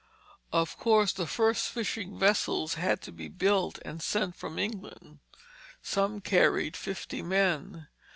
Of course the first fishing vessels had to be built and sent from England. Some carried fifty men.